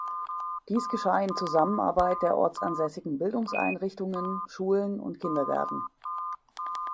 Dies geschah in Zusammenarbeit der ortsansässigen Bildungseinrichtungen, Schulen und Kindergärten.